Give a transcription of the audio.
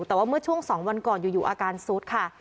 แต่ว่าเมื่อช่วง๒วันก่อนอยู่อาการซุดค่ะ